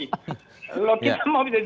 kalau kita mau bisa